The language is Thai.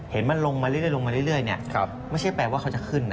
เห็นมันลงมาเรื่อยไม่ใช้แปลว่าเขาจะขึ้น